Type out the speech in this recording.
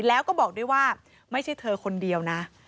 แล้วก็บอกด้วยว่าไม่ใช่เธอคนเดียวนะ